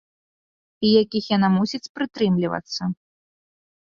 І якіх яна мусіць прытрымлівацца.